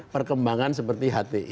perkembangan seperti hti